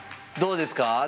どうですか？